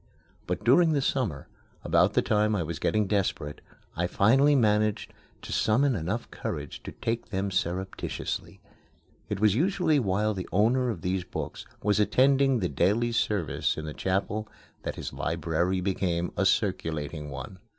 But during the summer, about the time I was getting desperate, I finally managed to summon enough courage to take them surreptitiously. It was usually while the owner of these books was attending the daily service in the chapel that his library became a circulating one.